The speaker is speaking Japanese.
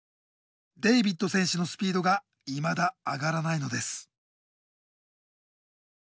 デイビッド選手のスピードがいまだ上がらないのです。